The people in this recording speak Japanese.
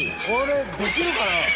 これできるかな？